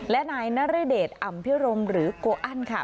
และนายนรเดชอำเพริมหรือกวะอันค่ะ